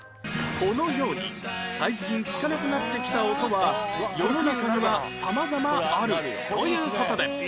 このように最近聞かなくなってきた音は世の中には様々あるという事で